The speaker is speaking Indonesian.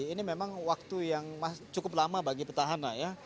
ini memang waktu yang cukup lama bagi petahana ya